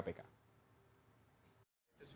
sebenarnya permasalahan internal itu